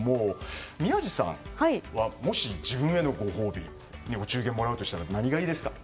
宮司さんは、もし自分へのご褒美お中元をもらうとしたら何がいいですか？